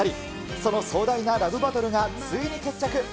その壮大なラブバトルがついに決着。